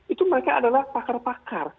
itu mereka adalah pakar pakar